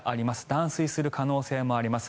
断水する可能性もあります。